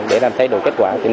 để làm thay đổi kết quả